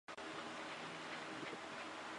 细子龙为无患子科细子龙属下的一个种。